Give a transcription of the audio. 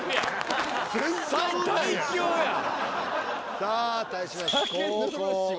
さあ対しまして。